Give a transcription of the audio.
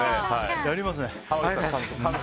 やりますね。